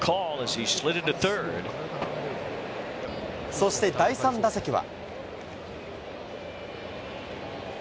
そして、第３打席は。